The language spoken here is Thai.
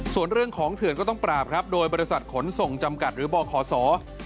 ส่วนเรื่องของเถื่อนก็ต้องปราบครับโดยบริษัทขนส่งจำกัดหรือบคศได้เชิญหน่วยงานที่เกี่ยวข้องมา